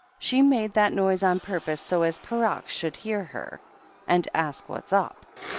She made that noise on purpose so as Perox should hear her, and ask what was up.